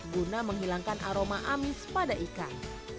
guna menghilangkan aroma amis pada ikan